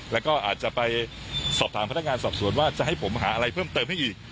แล้วก็อาจจะไปสอบถามพนักงานสอบสวนว่าจะให้ผมหาอะไรเพิ่มเติมให้อีก